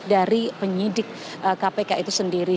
dari penyidik kpk itu sendiri